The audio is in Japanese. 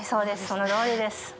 そのとおりです。